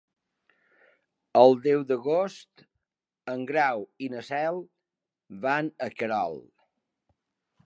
El deu d'agost en Grau i na Cel van a Querol.